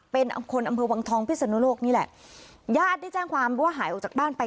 เป็นคนอำเภอวังทองพิศนุโลกนี่แหละญาติได้แจ้งความว่าหายออกจากบ้านไป